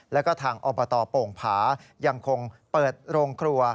แล้วก็ทางอบตโป่งผายังคงเปิดโรงครัว